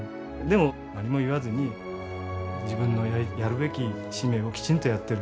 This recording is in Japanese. でも何も言わずに自分のやるべき使命をきちんとやってる。